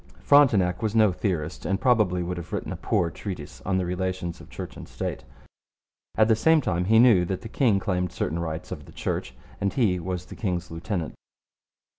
Frontenac was no theorist, and probably would have written a poor treatise on the relations of Church and State. At the same time, he knew that the king claimed certain rights over the Church, and he was the king's lieutenant.